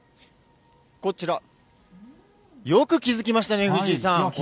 こちら、よく気付きましたね、藤井さん。